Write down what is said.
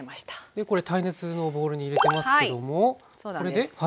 これ耐熱のボウルに入れてますけどもこれで？